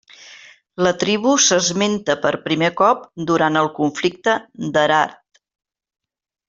La tribu s'esmenta per primer cop durant el conflicte d'Herat.